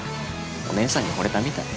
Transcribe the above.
おねえさんに、ほれたみたい。